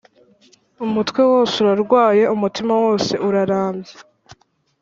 Umutwe wose urarwaye, umutima wose urarabye,